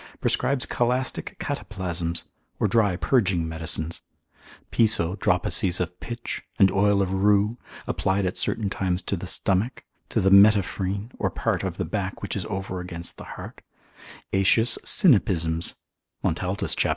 prescribes calastic cataplasms, or dry purging medicines; Piso dropaces of pitch, and oil of rue, applied at certain times to the stomach, to the metaphrene, or part of the back which is over against the heart, Aetius sinapisms; Montaltus cap.